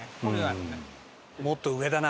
もっと上だな。